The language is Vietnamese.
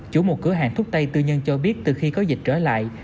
chủ một cửa hàng thuốc tây tư nhân cho biết từ khi có dịch trở lại